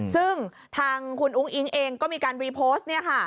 ซึ่งทางคุณอุ้งอิ๊งเองก็มีการรีโพสต์